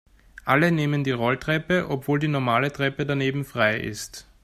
Alle nehmen die Rolltreppe, obwohl die normale Treppe daneben frei ist.